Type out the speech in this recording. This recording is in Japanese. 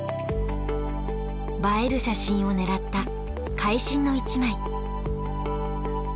映える写真を狙った会心の一枚。